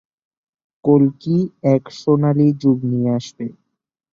কল্কি এক সোনালী যুগ নিয়ে আসবে।